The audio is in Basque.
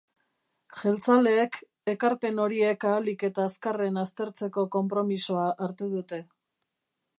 Jeltzaleek ekarpen horiek ahalik eta azkarren aztertzeko konpromisoa hartu dute.